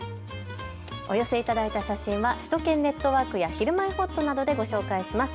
お寄せ頂いた写真は首都圏ネットワーク、ひるまえほっとなどでご紹介します。